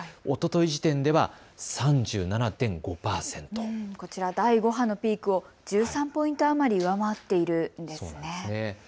おととい時点では３７．５％、第５波のピークを１３ポイント余り上回っているんですね。